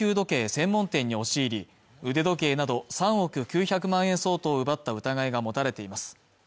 専門店に押し入り腕時計など３億９００万円相当を奪った疑いが持たれています